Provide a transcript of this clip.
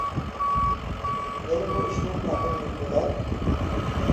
يەنە بۇ ئىشنىڭ ئاخىرى نېمە بولار.